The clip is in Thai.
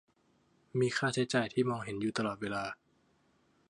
มีค่าใช้จ่ายที่มองเห็นอยู่ตลอดเวลา